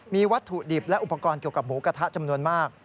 มีวัตถุดิบและอุปกรณ์เกี่ยวกับหมูกระทะจำนวนมาก